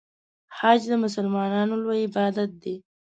حج د مسلمانانو لوی عبادت دی.